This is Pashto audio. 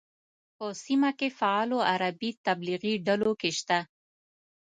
په سیمه کې فعالو عربي تبلیغي ډلو کې شته.